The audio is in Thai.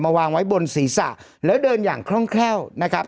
วางไว้บนศีรษะแล้วเดินอย่างคล่องแคล่วนะครับ